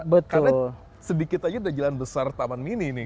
karena sedikit aja udah jalan besar taman mini ini kan